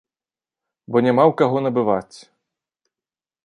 Бо няма ў каго набываць!